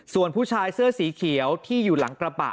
ส่วนผู้ชายเสื้อสีเขียวที่อยู่หลังกระบะ